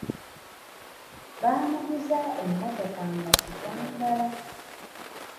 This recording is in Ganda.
Baamuguza emmotoka nga kikwangala.